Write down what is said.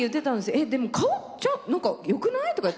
でも顔何かよくない？とか言って。